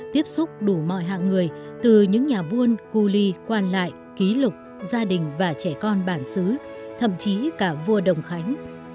tiếp xúc đủ mọi hạng người từ những nhà buôn cu ly quan lại ký lục gia đình và trẻ con bản xứ thậm chí cả vua đồng khánh